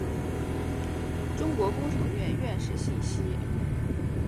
中国工程院院士信息